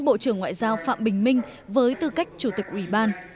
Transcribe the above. bộ trưởng ngoại giao phạm bình minh với tư cách chủ tịch ủy ban